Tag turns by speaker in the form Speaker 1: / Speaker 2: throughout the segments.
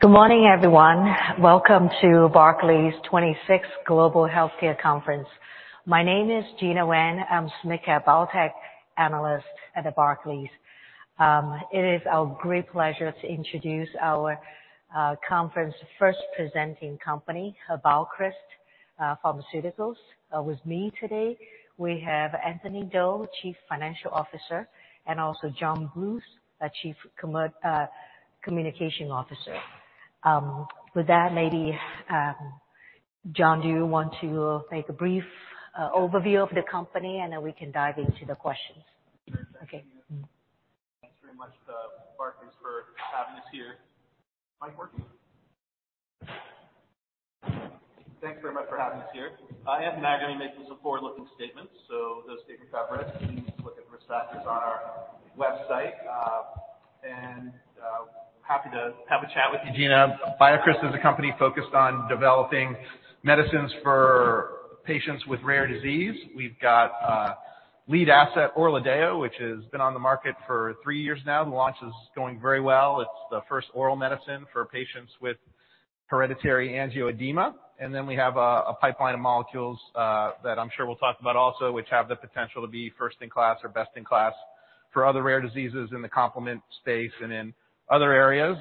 Speaker 1: Good morning, everyone. Welcome to Barclays' 26th Global Healthcare Conference. My name is Gena Wang. I'm a SMID Cap Biotech analyst at Barclays. It is our great pleasure to introduce our conference's first presenting company, BioCryst Pharmaceuticals. With me today, we have Anthony Doyle, Chief Financial Officer, and also John Bluth, Chief Communications Officer. With that, maybe, John, do you want to make a brief overview of the company, and then we can dive into the questions? Okay. Thanks very much, Barclays, for having us here. Mic working? Thanks very much for having us here. Anthony and I are going to be making some forward-looking statements, so those statements are at risk. You need to look at the risk factors on our website. Happy to have a chat with you, Gena. BioCryst is a company focused on developing medicines for patients with rare disease. We've got lead asset, ORLADEYO, which has been on the market for three years now. The launch is going very well. It's the first oral medicine for patients with hereditary angioedema. Then we have a pipeline of molecules that I'm sure we'll talk about also, which have the potential to be first-in-class or best-in-class for other rare diseases in the complement space and in other areas.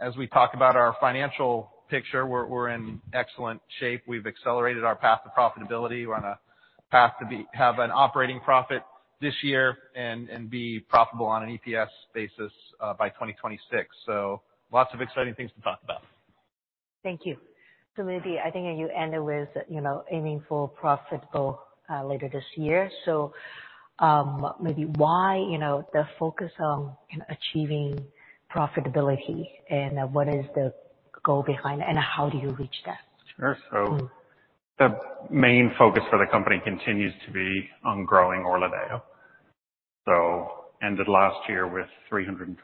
Speaker 1: As we talk about our financial picture, we're in excellent shape. We've accelerated our path to profitability. We're on a path to have an operating profit this year and be profitable on an EPS basis by 2026. So lots of exciting things to talk about. Thank you. So maybe I think you ended with aiming for profitable later this year. So maybe why the focus on achieving profitability, and what is the goal behind it, and how do you reach that?
Speaker 2: Sure. So the main focus for the company continues to be on growing ORLADEYO. So ended last year with $326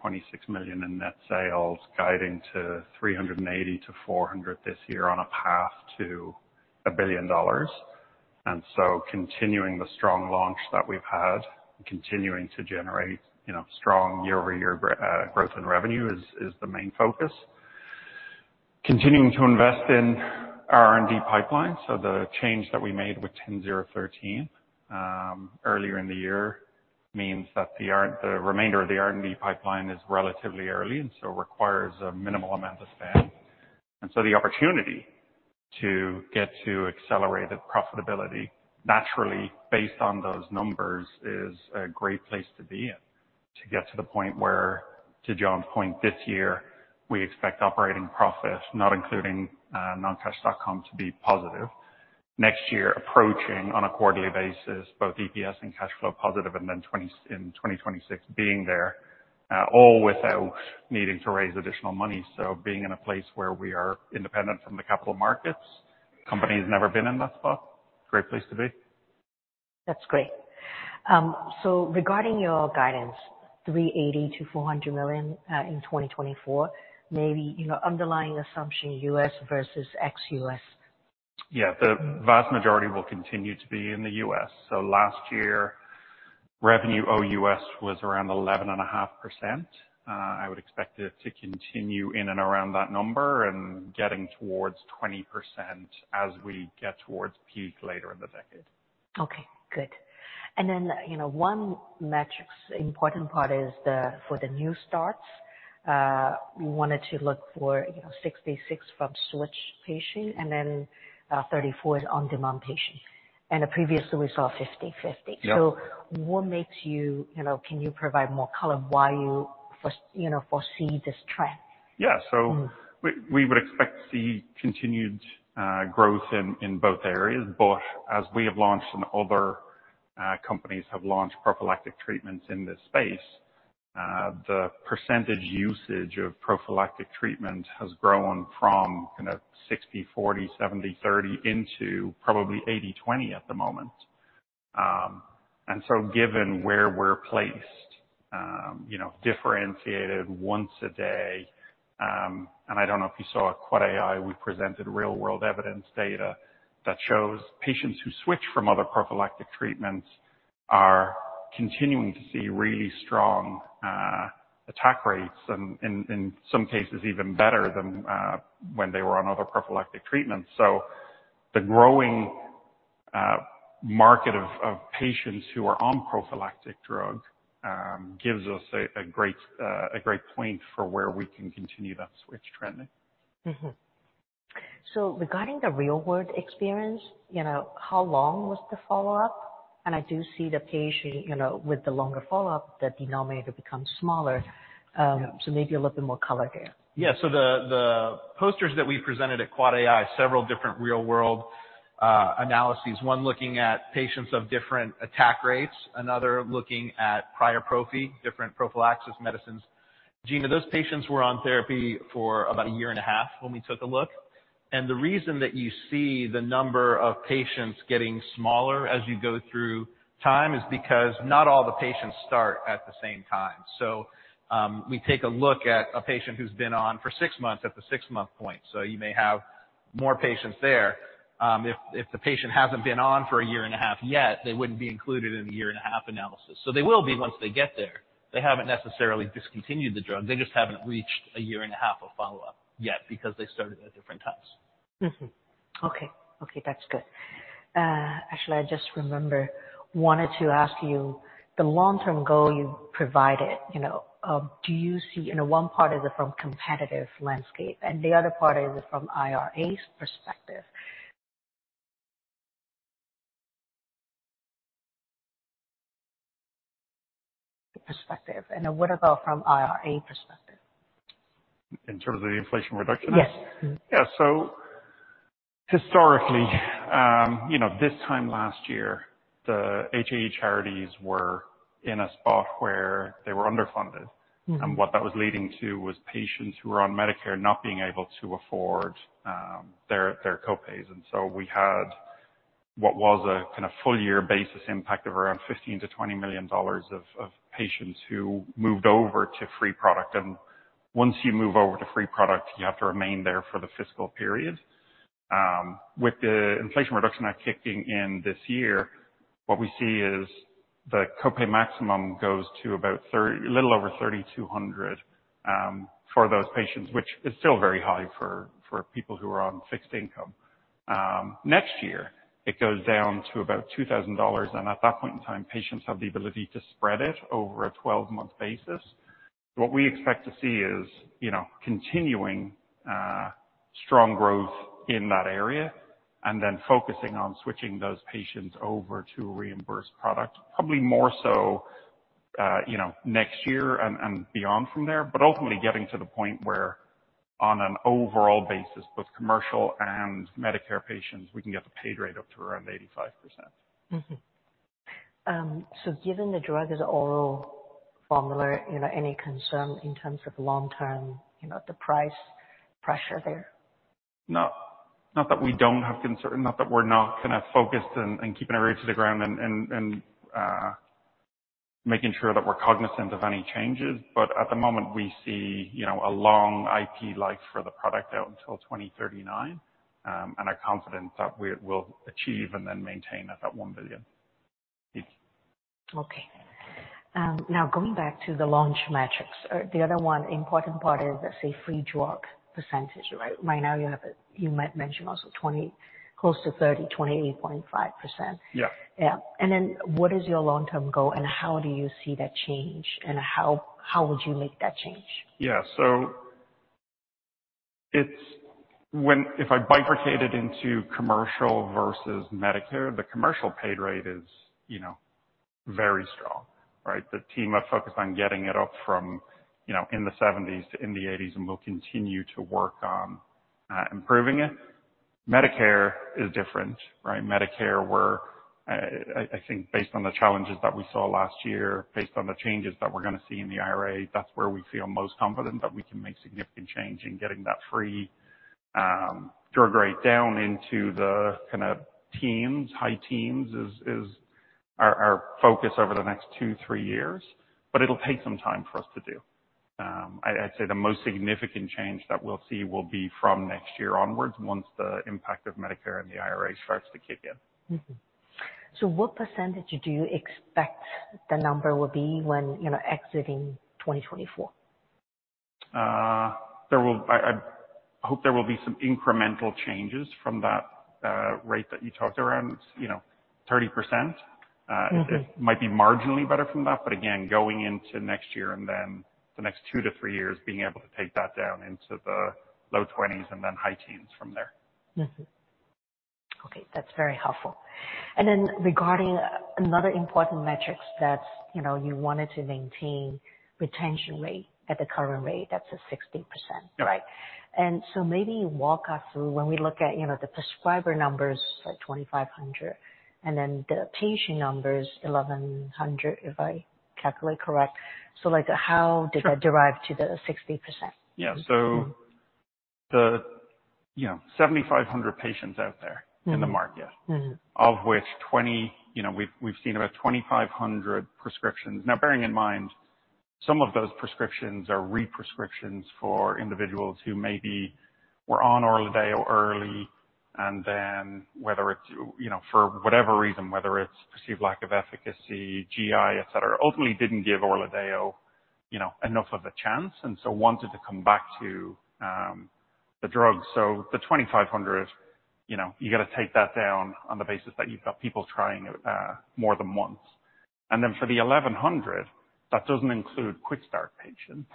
Speaker 2: million in net sales, guiding to $380 million-$400 million this year on a path to $1 billion. And so continuing the strong launch that we've had, continuing to generate strong year-over-year growth in revenue is the main focus. Continuing to invest in R&D pipelines. So the change that we made with BCX10013 earlier in the year means that the remainder of the R&D pipeline is relatively early and so requires a minimal amount of spend. And so the opportunity to get to accelerated profitability naturally based on those numbers is a great place to be in, to get to the point where, to John's point, this year we expect operating profit, not including non-cash comp, to be positive. Next year, approaching on a quarterly basis, both EPS and cash flow positive, and then in 2026 being there, all without needing to raise additional money. So being in a place where we are independent from the capital markets, the company has never been in that spot. Great place to be.
Speaker 1: That's great. So regarding your guidance, $380 million-$400 million in 2024, maybe underlying assumption, US versus ex-US?
Speaker 2: Yeah. The vast majority will continue to be in the U.S. So last year, revenue OUS was around 11.5%. I would expect it to continue in and around that number and getting towards 20% as we get towards peak later in the decade.
Speaker 1: Okay. Good. And then one metric's important part is for the new starts, we wanted to look for 66 from switch patient and then 34 is on-demand patient. And previously, we saw 50/50. So what makes you can you provide more color why you foresee this trend?
Speaker 2: Yeah. So we would expect to see continued growth in both areas. But as we have launched and other companies have launched prophylactic treatments in this space, the percentage usage of prophylactic treatment has grown from 60/40, 70/30 into probably 80/20 at the moment. And so given where we're placed, differentiated once a day and I don't know if you saw at QuadAI, we presented real-world evidence data that shows patients who switch from other prophylactic treatments are continuing to see really strong attack rates, and in some cases, even better than when they were on other prophylactic treatments. So the growing market of patients who are on prophylactic drug gives us a great point for where we can continue that switch trending.
Speaker 1: So regarding the real-world experience, how long was the follow-up? And I do see the patient with the longer follow-up, the denominator becomes smaller. So maybe a little bit more color there.
Speaker 2: Yeah. So the posters that we presented at QuadAI, several different real-world analyses, one looking at patients of different attack rates, another looking at prior prophy, different prophylaxis medicines. Gina, those patients were on therapy for about a year and a half when we took a look. The reason that you see the number of patients getting smaller as you go through time is because not all the patients start at the same time. So we take a look at a patient who's been on for 6 months at the 6-month point. So you may have more patients there. If the patient hasn't been on for a year and a half yet, they wouldn't be included in the year-and-a-half analysis. So they will be once they get there. They haven't necessarily discontinued the drug. They just haven't reached a year and a half of follow-up yet because they started at different times.
Speaker 1: Okay. Okay. That's good. Actually, I just remember wanted to ask you the long-term goal you provided. Do you see one part is it from competitive landscape, and the other part is it from IRA's perspective? Perspective. And what about from IRA perspective?
Speaker 2: In terms of the inflation reduction?
Speaker 1: Yes.
Speaker 2: Yeah. So historically, this time last year, the HAE charities were in a spot where they were underfunded. And what that was leading to was patients who were on Medicare not being able to afford their copays. And so we had what was a kind of full-year basis impact of around $15 million-$20 million of patients who moved over to free product. And once you move over to free product, you have to remain there for the fiscal period. With the inflation reduction kicking in this year, what we see is the copay maximum goes to about a little over 3,200 for those patients, which is still very high for people who are on fixed income. Next year, it goes down to about $2,000. And at that point in time, patients have the ability to spread it over a 12-month basis. What we expect to see is continuing strong growth in that area and then focusing on switching those patients over to reimbursed product, probably more so next year and beyond from there, but ultimately getting to the point where, on an overall basis, both commercial and Medicare patients, we can get the paid rate up to around 85%.
Speaker 1: Given the drug as an oral formula, any concern in terms of long-term the price pressure there?
Speaker 2: Not that we don't have concern. Not that we're not kind of focused and keeping our ears to the ground and making sure that we're cognizant of any changes. But at the moment, we see a long IP life for the product out until 2039. And I'm confident that we will achieve and then maintain it at $1 billion.
Speaker 1: Okay. Now, going back to the launch metrics, the other one important part is, say, free drug percentage, right? Right now, you mentioned also close to 30, 28.5%.
Speaker 2: Yeah.
Speaker 1: Yeah. And then what is your long-term goal, and how do you see that change, and how would you make that change?
Speaker 2: Yeah. So if I bifurcate it into commercial versus Medicare, the commercial paid rate is very strong, right? The team have focused on getting it up from in the 70s to in the 80s, and we'll continue to work on improving it. Medicare is different, right? Medicare, I think, based on the challenges that we saw last year, based on the changes that we're going to see in the IRA, that's where we feel most confident that we can make significant change in getting that free drug rate down into the kind of high teens is our focus over the next two, three years. But it'll take some time for us to do. I'd say the most significant change that we'll see will be from next year onwards once the impact of Medicare and the IRA starts to kick in.
Speaker 1: What percentage do you expect the number will be when exiting 2024?
Speaker 2: I hope there will be some incremental changes from that rate that you talked around, 30%. It might be marginally better from that. But again, going into next year and then the next 2-3 years, being able to take that down into the low 20s% and then high teens% from there.
Speaker 1: Okay. That's very helpful. Then, regarding another important metric that you wanted to maintain, retention rate at the current rate, that's at 60%, right? So maybe walk us through when we look at the prescriber numbers, like 2,500, and then the patient numbers, 1,100, if I calculate correctly. So how did that derive to the 60%?
Speaker 2: Yeah. So the 7,500 patients out there in the market, of which we've seen about 2,500 prescriptions. Now, bearing in mind, some of those prescriptions are re-prescriptions for individuals who maybe were on ORLADEYO early, and then whether it's for whatever reason, whether it's perceived lack of efficacy, GI, etc., ultimately didn't give ORLADEYO enough of a chance and so wanted to come back to the drug. So the 2,500, you got to take that down on the basis that you've got people trying it more than once. And then for the 1,100, that doesn't include quick-start patients.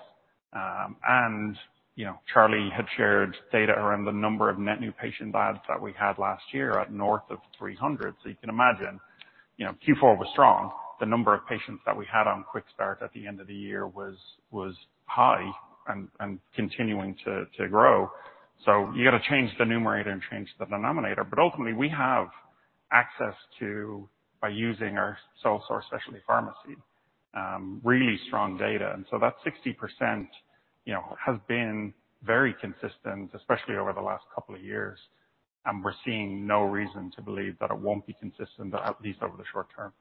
Speaker 2: And Charlie had shared data around the number of net new patient adds that we had last year at north of 300. So you can imagine, Q4 was strong. The number of patients that we had on quick-start at the end of the year was high and continuing to grow. You got to change the numerator and change the denominator. But ultimately, we have access to, by using our sole source specialty pharmacy, really strong data. And so that 60% has been very consistent, especially over the last couple of years. And we're seeing no reason to believe that it won't be consistent, at least over the short term.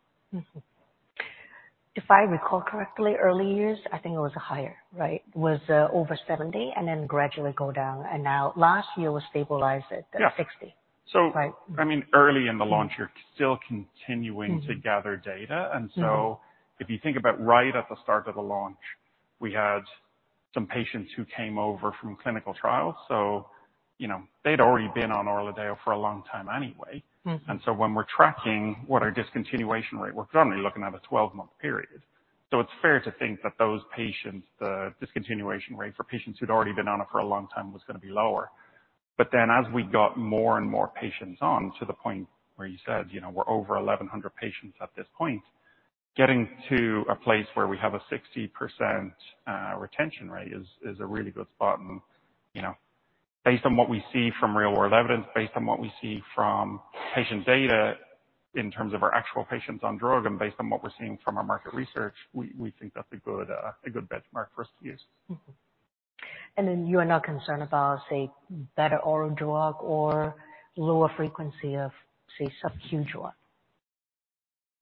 Speaker 1: If I recall correctly, early years, I think it was higher, right? Was over 70 and then gradually go down. And now, last year, we stabilized it at 60, right?
Speaker 2: Yeah. So I mean, early in the launch, you're still continuing to gather data. And so if you think about right at the start of the launch, we had some patients who came over from clinical trials. So they'd already been on ORLADEYO for a long time anyway. And so when we're tracking what our discontinuation rate, we're generally looking at a 12-month period. So it's fair to think that those patients, the discontinuation rate for patients who'd already been on it for a long time was going to be lower. But then as we got more and more patients on to the point where you said we're over 1,100 patients at this point, getting to a place where we have a 60% retention rate is a really good spot. Based on what we see from real-world evidence, based on what we see from patient data in terms of our actual patients on drug, and based on what we're seeing from our market research, we think that's a good benchmark for us to use.
Speaker 1: And then you are not concerned about, say, better oral drug or lower frequency of, say, subcu drug?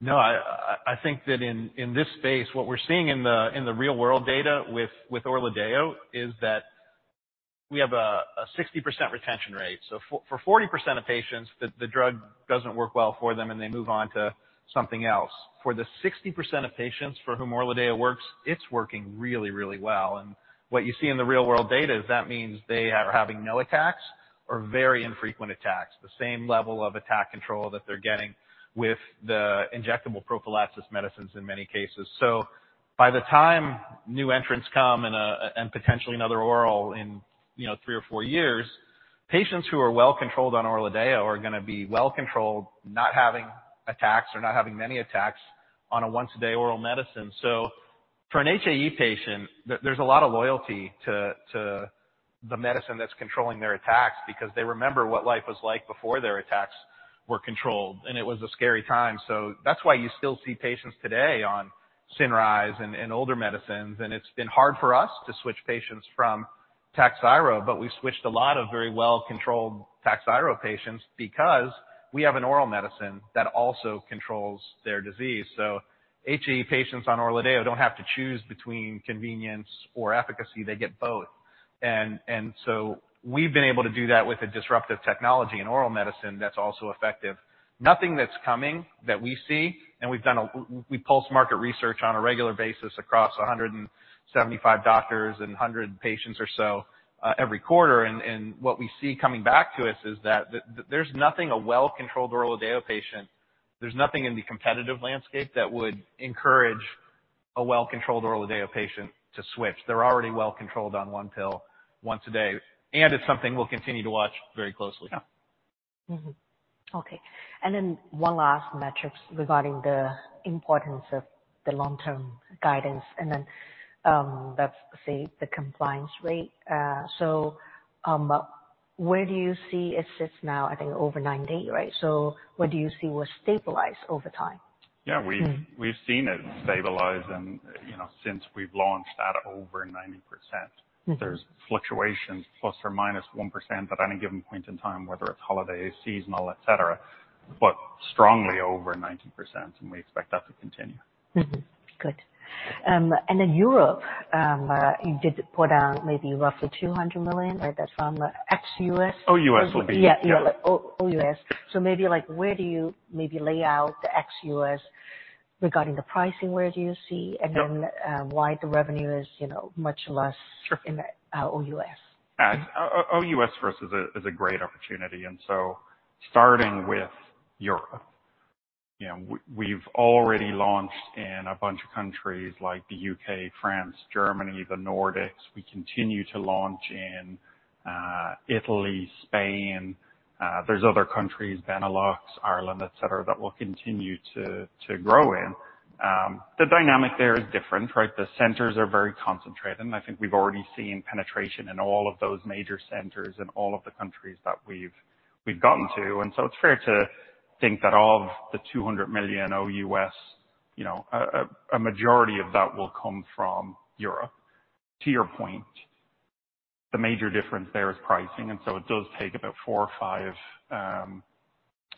Speaker 2: No. I think that in this space, what we're seeing in the real-world data with ORLADEYO is that we have a 60% retention rate. So for 40% of patients, the drug doesn't work well for them, and they move on to something else. For the 60% of patients for whom ORLADEYO works, it's working really, really well. And what you see in the real-world data is that means they are having no attacks or very infrequent attacks, the same level of attack control that they're getting with the injectable prophylaxis medicines in many cases. So by the time new entrants come and potentially another oral in three or four years, patients who are well controlled on ORLADEYO are going to be well controlled, not having attacks or not having many attacks on a once-a-day oral medicine. So for an HAE patient, there's a lot of loyalty to the medicine that's controlling their attacks because they remember what life was like before their attacks were controlled. And it was a scary time. So that's why you still see patients today on Cinryze and older medicines. And it's been hard for us to switch patients from TAKHZYRO, but we switched a lot of very well-controlled TAKHZYRO patients because we have an oral medicine that also controls their disease. So HAE patients on ORLADEYO don't have to choose between convenience or efficacy. They get both. And so we've been able to do that with a disruptive technology in oral medicine that's also effective. Nothing that's coming that we see and we pulse market research on a regular basis across 175 doctors and 100 patients or so every quarter. What we see coming back to us is that there's nothing in the competitive landscape that would encourage a well-controlled ORLADEYO patient to switch. They're already well controlled on one pill once a day. It's something we'll continue to watch very closely.
Speaker 1: Okay. And then one last metrics regarding the importance of the long-term guidance. And then that's, say, the compliance rate. So where do you see it sits now? I think over 90, right? So what do you see will stabilize over time?
Speaker 2: Yeah. We've seen it stabilize since we've launched at over 90%. There's fluctuations ±1% at any given point in time, whether it's holiday, seasonal, etc., but strongly over 90%. We expect that to continue.
Speaker 1: Good. And then Europe, you did put down maybe roughly $200 million, right? That's from ex-US?
Speaker 2: Oh, U.S. will be?
Speaker 1: Yeah. OUS. So maybe where do you maybe lay out the ex-US regarding the pricing? Where do you see and then why the revenue is much less in OUS?
Speaker 2: OUS for us is a great opportunity. And so starting with Europe, we've already launched in a bunch of countries like the U.K., France, Germany, the Nordics. We continue to launch in Italy, Spain. There's other countries, Benelux, Ireland, etc., that we'll continue to grow in. The dynamic there is different, right? The centers are very concentrated. And I think we've already seen penetration in all of those major centers in all of the countries that we've gotten to. And so it's fair to think that of the $200 million OUS, a majority of that will come from Europe. To your point, the major difference there is pricing. And so it does take about four or five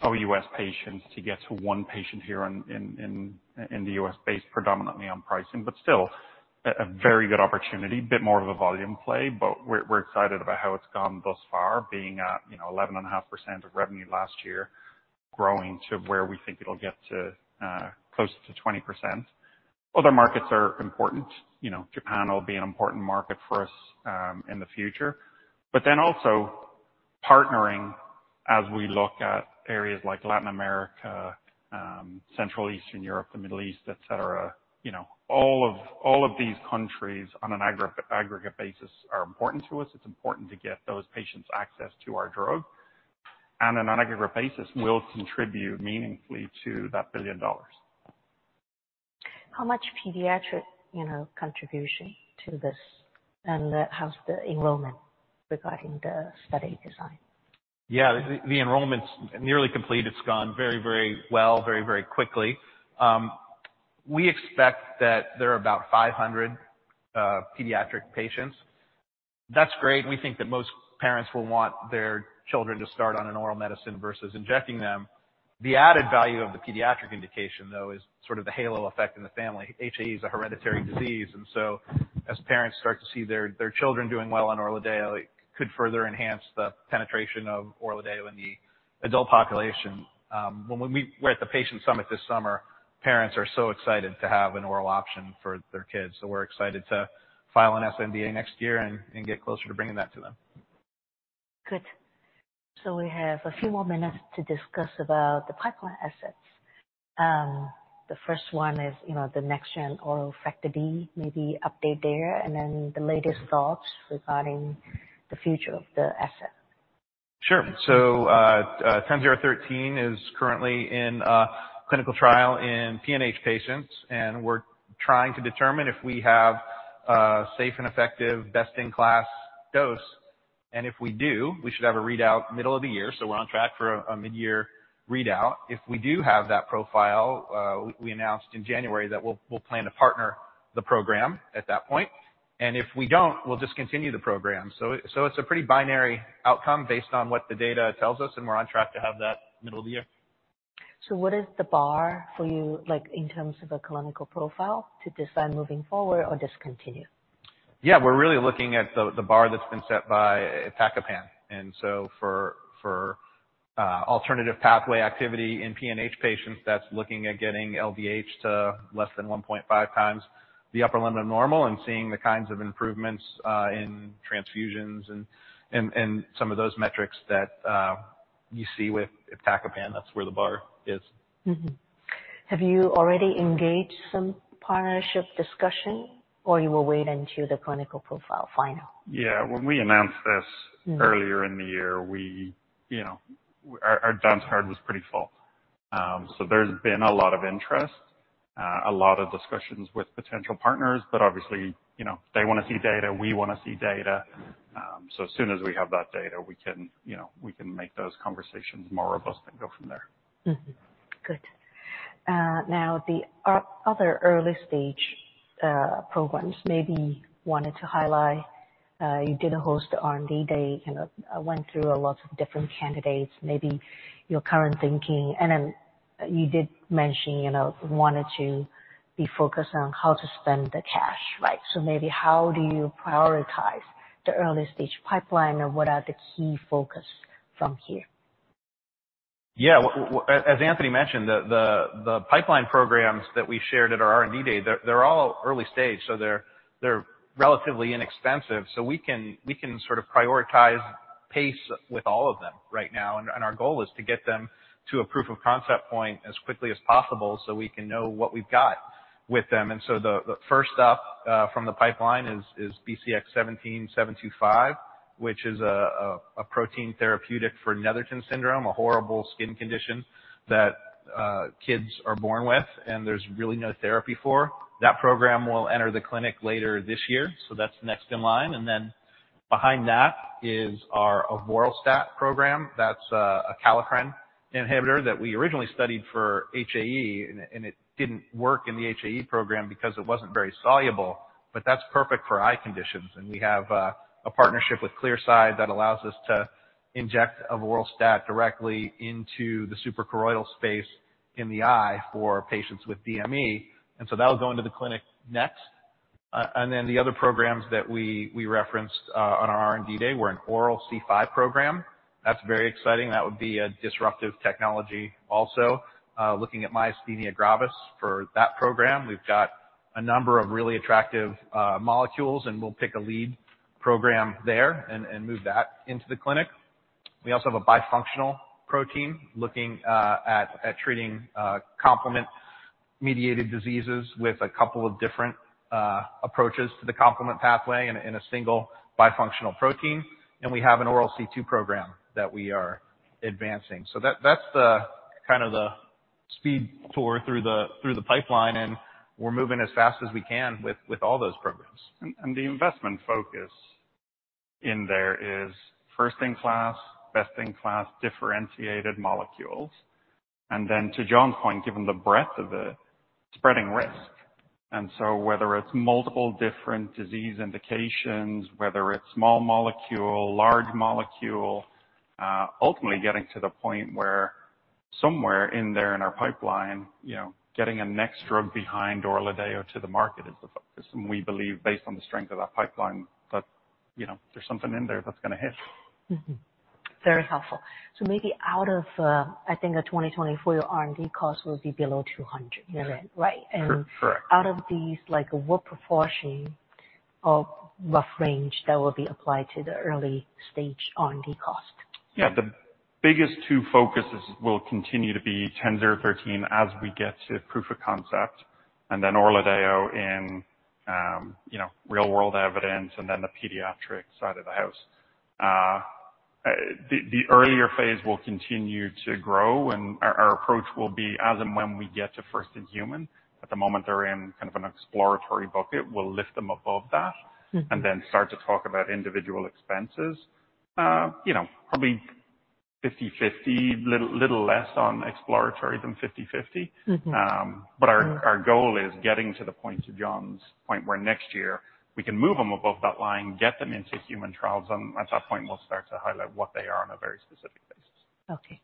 Speaker 2: OUS patients to get to one patient here in the U.S. based predominantly on pricing. But still, a very good opportunity, a bit more of a volume play. We're excited about how it's gone thus far, being at 11.5% of revenue last year, growing to where we think it'll get to close to 20%. Other markets are important. Japan will be an important market for us in the future. But then also partnering as we look at areas like Latin America, Central Eastern Europe, the Middle East, etc., all of these countries on an aggregate basis are important to us. It's important to get those patients access to our drug. And on an aggregate basis, we'll contribute meaningfully to that $1 billion.
Speaker 1: How much pediatric contribution to this? And how's the enrollment regarding the study design?
Speaker 2: Yeah. The enrollment's nearly complete. It's gone very, very well, very, very quickly. We expect that there are about 500 pediatric patients. That's great. We think that most parents will want their children to start on an oral medicine versus injecting them. The added value of the pediatric indication, though, is sort of the halo effect in the family. HAE is a hereditary disease. And so as parents start to see their children doing well on ORLADEYO, it could further enhance the penetration of ORLADEYO in the adult population. When we were at the Patient Summit this summer, parents are so excited to have an oral option for their kids. So we're excited to file an sNDA next year and get closer to bringing that to them.
Speaker 1: Good. So we have a few more minutes to discuss about the pipeline assets. The first one is the next-gen oral Factor D, maybe update there, and then the latest thoughts regarding the future of the asset.
Speaker 2: Sure. So BCX10013 is currently in clinical trial in PNH patients. And we're trying to determine if we have a safe and effective, best-in-class dose. And if we do, we should have a readout middle of the year. So we're on track for a midyear readout. If we do have that profile, we announced in January that we'll plan to partner the program at that point. And if we don't, we'll discontinue the program. So it's a pretty binary outcome based on what the data tells us. And we're on track to have that middle of the year.
Speaker 1: What is the bar for you in terms of a clinical profile to decide moving forward or discontinue?
Speaker 2: Yeah. We're really looking at the bar that's been set by iptacopan. And so for alternative pathway activity in PNH patients, that's looking at getting LDH to less than 1.5 times the upper limit of normal and seeing the kinds of improvements in transfusions and some of those metrics that you see with iptacopan. That's where the bar is.
Speaker 1: Have you already engaged some partnership discussion, or you will wait until the clinical profile final?
Speaker 2: Yeah. When we announced this earlier in the year, our dance card was pretty full. So there's been a lot of interest, a lot of discussions with potential partners. But obviously, they want to see data. We want to see data. So as soon as we have that data, we can make those conversations more robust and go from there.
Speaker 1: Good. Now, the other early-stage programs, maybe wanted to highlight you did a host of R&D. They kind of went through a lot of different candidates. Maybe your current thinking and then you did mention wanting to be focused on how to spend the cash, right? So maybe how do you prioritize the early-stage pipeline, or what are the key focus from here?
Speaker 2: Yeah. As Anthony mentioned, the pipeline programs that we shared at our R&D day, they're all early stage. So they're relatively inexpensive. So we can sort of prioritize pace with all of them right now. And our goal is to get them to a proof-of-concept point as quickly as possible so we can know what we've got with them. And so the first up from the pipeline is BCX17725, which is a protein therapeutic for Netherton syndrome, a horrible skin condition that kids are born with and there's really no therapy for. That program will enter the clinic later this year. So that's next in line. And then behind that is our avoralstat program. That's a kallikrein inhibitor that we originally studied for HAE. And it didn't work in the HAE program because it wasn't very soluble. But that's perfect for eye conditions. We have a partnership with Clearside that allows us to inject avoralstat directly into the suprachoroidal space in the eye for patients with DME. And so that'll go into the clinic next. And then the other programs that we referenced on our R&D day were an oral C5 program. That's very exciting. That would be a disruptive technology also. Looking at Myasthenia Gravis for that program, we've got a number of really attractive molecules. And we'll pick a lead program there and move that into the clinic. We also have a bifunctional protein looking at treating complement-mediated diseases with a couple of different approaches to the complement pathway in a single bifunctional protein. And we have an oral C2 program that we are advancing. So that's kind of the speed tour through the pipeline. And we're moving as fast as we can with all those programs. The investment focus in there is first-in-class, best-in-class, differentiated molecules. Then to John's point, given the breadth of it, spreading risk. So whether it's multiple different disease indications, whether it's small molecule, large molecule, ultimately getting to the point where somewhere in there in our pipeline, getting a next drug behind ORLADEYO to the market is the focus. We believe, based on the strength of that pipeline, that there's something in there that's going to hit.
Speaker 1: Very helpful. So maybe out of, I think, a 2024 R&D cost will be below $200 million, right? And out of these, what proportion or rough range that will be applied to the early-stage R&D cost?
Speaker 2: Yeah. The biggest two focuses will continue to be BCX10013 as we get to proof of concept and then ORLADEYO in real-world evidence and then the pediatric side of the house. The earlier phase will continue to grow. Our approach will be as and when we get to first-in-human. At the moment, they're in kind of an exploratory bucket. We'll lift them above that and then start to talk about individual expenses, probably 50/50, a little less on exploratory than 50/50. But our goal is getting to the point, to John's point, where next year we can move them above that line, get them into human trials. And at that point, we'll start to highlight what they are on a very specific basis.
Speaker 1: Okay.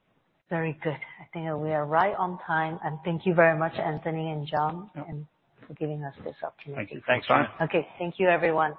Speaker 1: Very good. I think we are right on time. Thank you very much, Anthony and John, for giving us this opportunity.
Speaker 2: Thank you. Thanks, Ryan.
Speaker 1: Okay. Thank you, everyone.